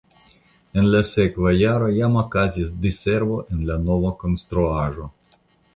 En la sekva jaro jam okazis diservo en la nova konstruaĵo.